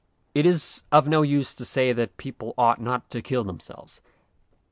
It is of no use to say that people ought not to kill themselves.